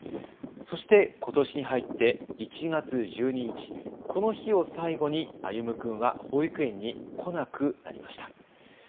そして、ことしに入って１月１２日、この日を最後に歩夢君は保育園に来なくなりました。